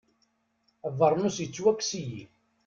Abeṛnus yettwakkes-iyi.